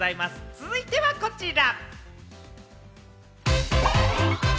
続いてはこちら。